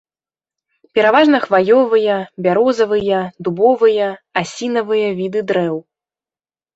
Пераважна хваёвыя, бярозавыя, дубовыя, асінавыя віды дрэў.